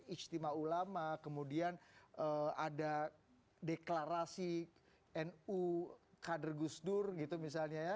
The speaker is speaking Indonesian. ijtima ulama kemudian ada deklarasi nu kader gusdur gitu misalnya ya